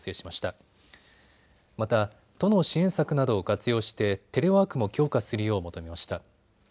また、都の支援策などを活用してテレワークも強化するよう求めました。